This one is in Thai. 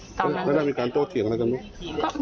แล้วมีการโทษเถียงอะไรกัน